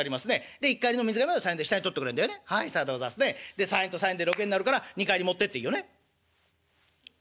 「で３円と３円で６円になるから二荷入り持ってっていいよね？」。